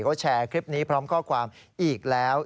เขาแชร์คลิปนี้พร้อมข้อความอีกแล้ว